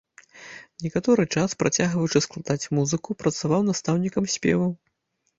Некаторы час, працягваючы складаць музыку, працаваў настаўнікам спеву.